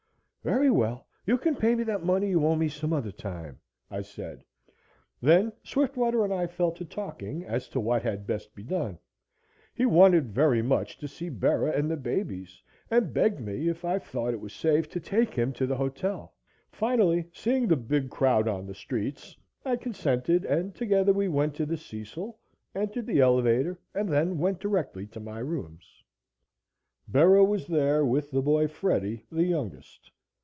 "Very well, you can pay me that money you owe some other time," I said. Then Swiftwater and I fell to talking as to what had best be done. He wanted very much to see Bera and the babies and begged me, if I thought it safe, to take him to the hotel. Finally, seeing the big crowd on the streets, I consented, and together we went to the Cecil, entered the elevator and then went directly to my rooms. Bera was there with the boy Freddie the youngest.